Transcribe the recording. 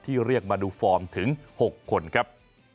เรียกมาดูฟอร์มถึง๖คนครับ